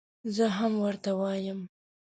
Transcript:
زه هم ورته وایم.